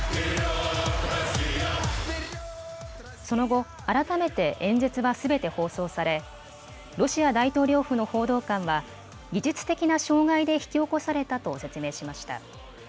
その後、改めて演説はすべて放送され、ロシア大統領府の報道官は技術的な障害で引き起こされたと説明しました。